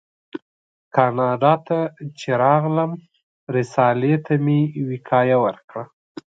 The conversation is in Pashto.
کاناډا ته چې راغلم رسالې ته مې وقایه ورکړه.